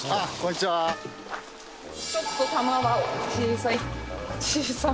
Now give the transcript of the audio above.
ちょっと玉は小さい小さめ。